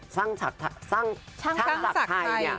ช่างศักดิ์ไทย